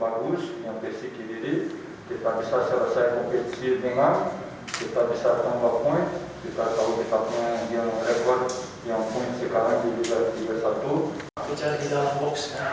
tahun ini bali united memiliki kekuasaan untuk menang berhasil menang dan menang keputusan keputusan di b satu